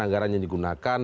anggaran yang digunakan